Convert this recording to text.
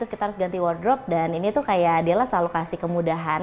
terus kita harus ganti wardrobe dan ini tuh kayak della selalu kasih kemudahan